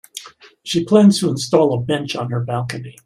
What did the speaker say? She plans to install a bench on her balcony.